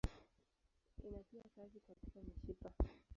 Ina pia kazi katika mishipa.